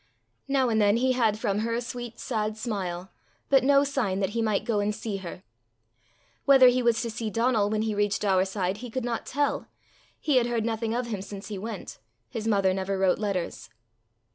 Now and then he had from her a sweet sad smile, but no sign that he might go and see her. Whether he was to see Donal when he reached Daurside, he could not tell; he had heard nothing of him since he went; his mother never wrote letters.